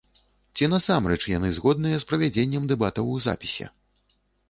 Ці насамрэч яны згодныя з правядзеннем дэбатаў у запісе.